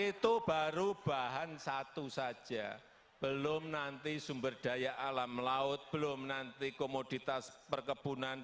itu baru bahan satu saja belum nanti sumber daya alam laut belum nanti komoditas perkebunan